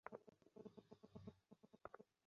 আমরা তোমাকে সব জায়গায় অনুসরণ করতে রাজি।